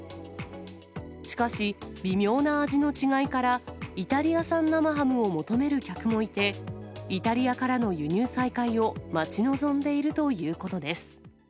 しかし、微妙な味の違いから、イタリア産生ハムを求める客もいて、イタリアからの輸入再開を待ち望んでいるということです。